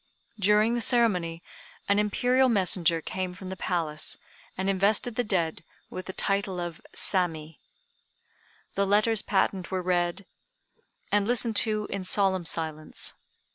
During the ceremony, an Imperial messenger came from the Palace, and invested the dead with the title of Sammi. The letters patent were read, and listened to in solemn silence.